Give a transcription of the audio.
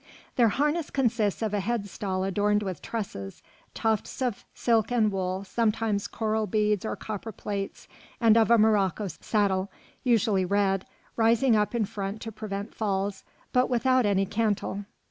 Their harness consists of a headstall adorned with tresses, tufts of silk and wool, sometimes coral beads or copper plates, and of a morocco saddle, usually red, rising up in front to prevent falls, but without any cantle.